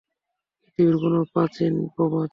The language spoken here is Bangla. পৃথিবীর কোন প্রাচীন প্রবাদ?